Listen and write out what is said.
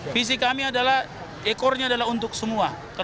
visi kami adalah ekornya adalah untuk semua